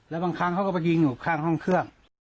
แล้วบางครั้งเขาก็ไปยิงอยู่ข้างห้องเครื่อง